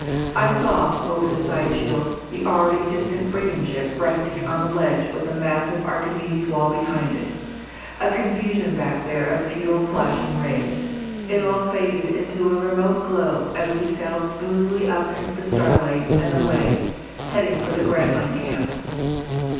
I saw, over the side shield, the already distant brigand ship resting on the ledge with the massive Archimedes' wall behind it. A confusion back there of futile flashing rays. It all faded into a remote glow as we sailed smoothly up into the starlight and away, heading for the Grantline camp.